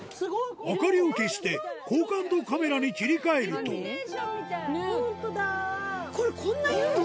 明かりを消して高感度カメラに切り替えるとこれこんないるの？